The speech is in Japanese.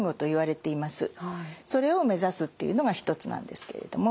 それを目指すっていうのが一つなんですけれども。